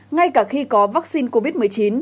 ngay cả khi có vaccine covid một mươi chín